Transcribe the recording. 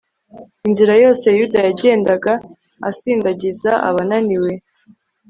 inzira yose yuda yagendaga asindagiza abananiwe